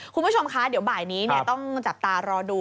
คุณผู้ชมคะเดี๋ยวบ่ายนี้ต้องจับตารอดู